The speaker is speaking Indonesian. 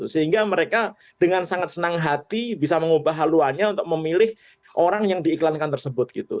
sehingga mereka dengan sangat senang hati bisa mengubah haluannya untuk memilih orang yang diiklankan tersebut gitu